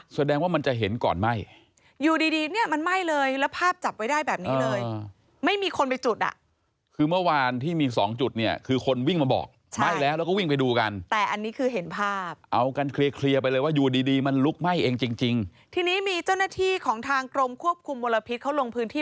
แสดงว่ามันจะเห็นก่อนไหม้อยู่ดีดีเนี่ยมันไหม้เลยแล้วภาพจับไว้ได้แบบนี้เลยไม่มีคนไปจุดอ่ะคือเมื่อวานที่มีสองจุดเนี่ยคือคนวิ่งมาบอกใช่ไหม้แล้วแล้วก็วิ่งไปดูกันแต่อันนี้คือเห็นภาพเอากันเคลียร์ไปเลยว่าอยู่ดีดีมันลุกไหม้เองจริงจริงทีนี้มีเจ้าหน้าที่ของทางกรมควบคุมมลพิษเขาลงพื้นที่